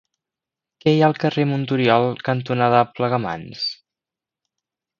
Què hi ha al carrer Monturiol cantonada Plegamans?